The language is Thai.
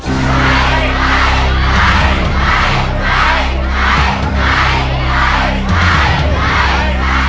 ใช้